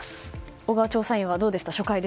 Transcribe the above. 小川調査員はどうでした？